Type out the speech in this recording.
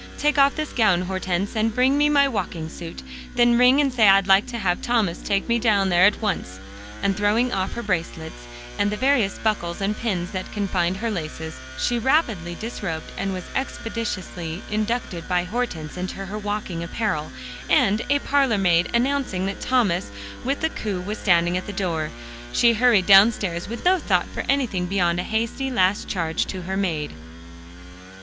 Take off this gown, Hortense, and bring my walking suit, then ring and say I'd like to have Thomas take me down there at once," and throwing off her bracelets, and the various buckles and pins that confined her laces, she rapidly disrobed and was expeditiously inducted by Hortense into her walking apparel, and, a parlor maid announcing that Thomas with the coupe was at the door, she hurried downstairs, with no thought for anything beyond a hasty last charge to her maid.